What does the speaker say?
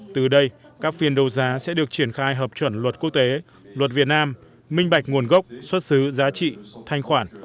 từ đây các phiên đấu giá sẽ được triển khai hợp chuẩn luật quốc tế luật việt nam minh bạch nguồn gốc xuất xứ giá trị thanh khoản